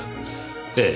ええ。